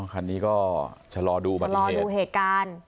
อ๋อคันนี้ก็ชะลอดูอุบัติเหตุชะลอดูเหตุการณ์